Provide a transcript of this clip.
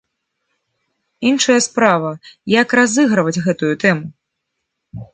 Іншая справа, як разыгрываць гэтую тэму?